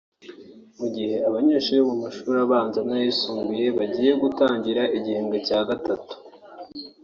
Mu gihe abanyeshuri bo mu mashuri abanza n’ayisumbuye bagiye kujya gutangira igihembwe cya gatatu